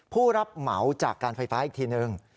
ผู้รับเหมาจากการไฟฟ้าอีกทีนึง